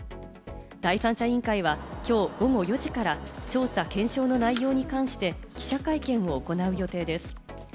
第三者委員会はきょう午後４時から調査・検証の内容に関して記者会見を行う予定です。